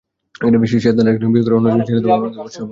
সে তাদের একজনকে বিয়ে করে অন্যজনকে ছেড়ে দেবে আর তোমার পথ সাফ হবে।